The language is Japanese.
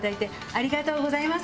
ありがとうございます。